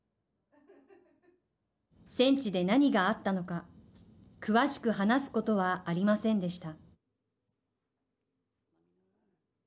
戦地で何があったのか詳しく話すことはありませんでした。